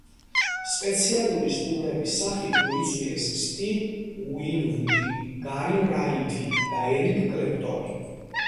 სპეციალური სტუმრების სახით მოიწვიეს სტივ უინვუდი, გარი რაიტი და ერიკ კლეპტონი.